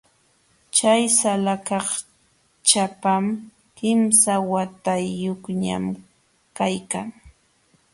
Chay salakaq ćhapam, kimsa watayuqñam kaykan.